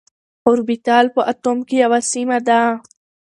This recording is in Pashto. اوربيتال په اتوم کي يوه سيمه ده.